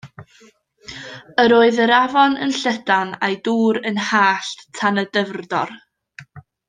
Yr oedd yr afon yn llydan a'i dŵr yn hallt tan y dyfrddor.